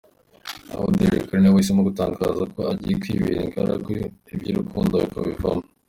Aho Derek ari we wahisemo gutangaza ko agiye kwibera ingaragu iby’urukundo akabivamo.